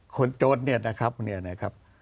คนโจรเนี่ยนะครับ